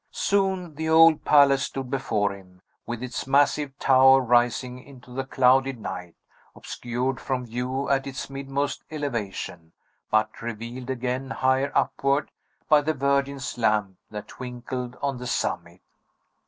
Soon the old palace stood before him, with its massive tower rising into the clouded night; obscured from view at its midmost elevation, but revealed again, higher upward, by the Virgin's lamp that twinkled on the summit.